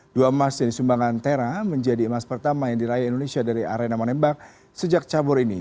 dua emas dan sumbangan tera menjadi emas pertama yang diraih indonesia dari arena menembak sejak cabur ini